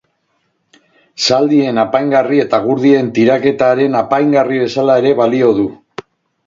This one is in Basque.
Zaldien apaingarri eta gurdien tiraketaren apaingarri bezala ere balio du.